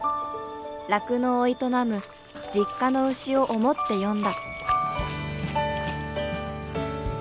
酪農を営む実家の牛を思って詠んだ。